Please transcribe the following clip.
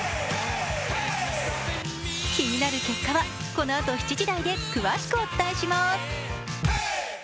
気になる結果はこのあと７時台で詳しくお伝えします。